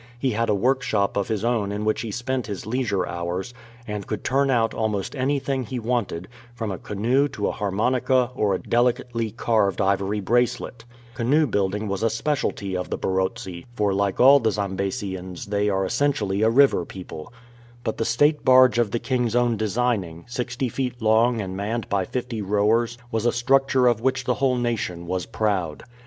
He had a workshop of his own in which he spent his leisure hours, and could turn out almost anything he wanted, from a canoe to a harmonica or a delicately carved ivory bracelet. Canoe building was a speciality of the Barotse, for like all the Zambesians they 1 54 A CANOE VOYAGE are essentially a river people. But the state barge of the king's own designing, sixty feet long and manned by fifty rowers, was a structure of which the whole nation was proud.